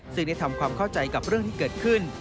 ซึ่งได้ทำความเข้าใจกับเรื่องที่เกิดขึ้น